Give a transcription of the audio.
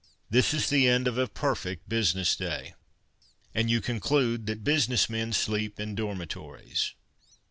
This is the end of a perfect business day. And you conclude that busi ness men sleep in dormitories.